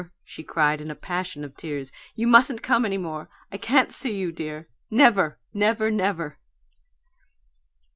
she cried, in a passion of tears. "You mustn't come any more. I can't see you, dear! Never, never, never!"